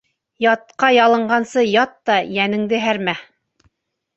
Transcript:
Ятҡа ялынғансы, ят та йәнеңде һәрмә.